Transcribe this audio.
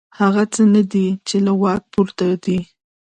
هغه څه نه دي چې له واک پورته دي.